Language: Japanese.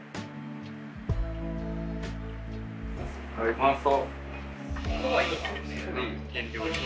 うまそう。